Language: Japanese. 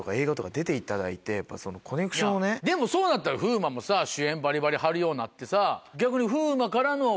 でもそうなったら風磨もさ主演バリバリ張るようになって逆に。